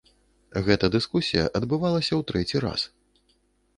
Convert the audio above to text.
Гэта дыскусія адбывалася ў трэці раз.